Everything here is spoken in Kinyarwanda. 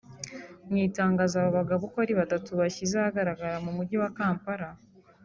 Mu itangazo aba bagabo uko ari batatu bashyize ahagaragara mu Mujyi wa Kampala